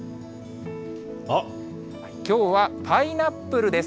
きょうはパイナップルです。